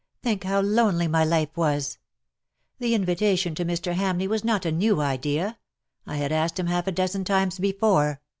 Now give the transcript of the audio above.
Think how lonely my life was. The invitation to Mr. Hamleigh was not a new idea ; I had asked hirii half a dozen times before.